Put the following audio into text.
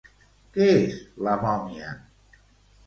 Què és la mòmia?